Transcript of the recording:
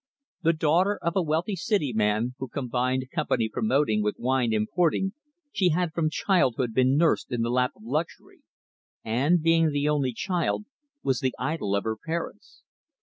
The daughter of a wealthy City man who combined company promoting with wine importing, she had from childhood been nursed in the lap of luxury, and being the only child, was the idol of her parents.